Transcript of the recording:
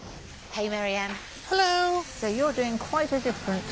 はい。